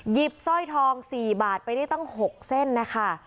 สร้อยทอง๔บาทไปได้ตั้ง๖เส้นนะคะ